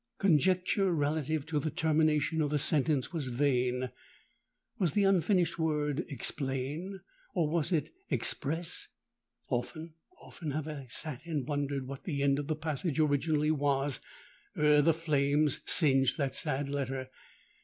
Conjecture relative to the termination of the sentence was vain. Was the unfinished word explain? Or was it express? Often—often have I sate and wondered what the end of the passage originally was, ere the flames singed that sad letter.